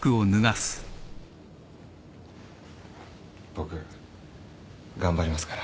僕頑張りますから。